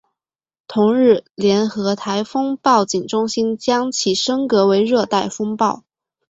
同日联合台风警报中心将其升格为热带风暴。